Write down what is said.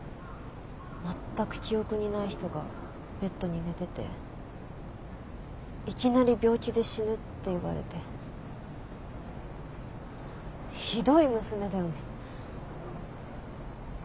全く記憶にない人がベッドに寝てていきなり病気で死ぬって言われてひどい娘だよね。